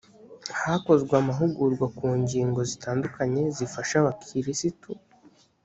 hakozwe amahugurwa ku ngingo zitandukanye zifasha abakirisito